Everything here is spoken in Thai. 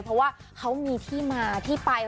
เพราะว่าเขามีที่มาที่ไป